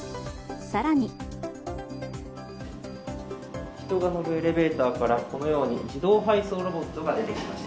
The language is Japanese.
更に人が乗るエレベーターからこのように自動配送ロボットが出てきました。